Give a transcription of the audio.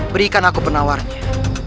berikan aku penawarnya